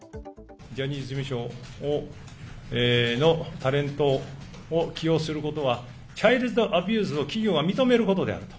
ジャニーズ事務所のタレントを起用することは、チャイルズアビューズを企業が認めることであると。